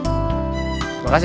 terima kasih ya